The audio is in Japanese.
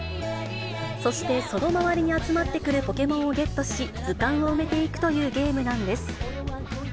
そして、その周りに集まってくるポケモンをゲットし、図鑑を埋めていくというゲームなんです。